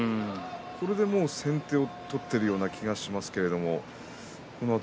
これでもう先手を取っているような気がしますけれども。